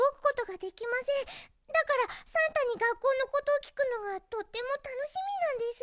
だからさんたにがっこうのことをきくのがとってもたのしみなんです。